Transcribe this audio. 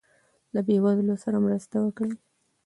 له بې وزلو سره مرسته وکړئ.